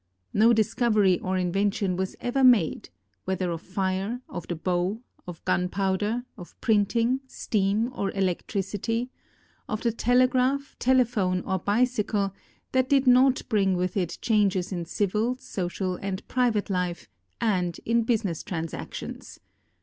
No discovery or inven tion was ever made, whether of fire, of the bow, of gunpowder, of printing, steam, or electricity, of the telegraph, telephone, or bicycle, that did not bring with it changes in civil, social, and private life and in business transactions.